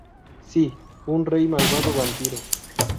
Sí, un rey malvado vampiro!